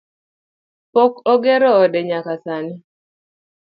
Pok ogero ode nyaka sani